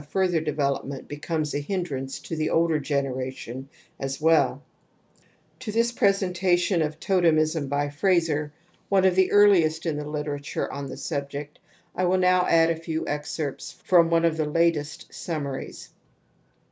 \ 176 TOTEM AND TABOO further development becomes a hindrance to the older generation as well J ^ To this presentation of totemism by Frazer, one of the earliest in the literature on the sub ject, I will now add a few excerpts from one of the latest summaries.